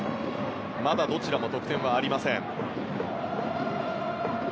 まだどちらも得点がありません。